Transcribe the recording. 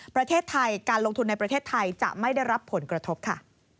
ประเทศไทยการลงทุนในประเทศไทยจะไม่ได้รับผลกระทบค่ะ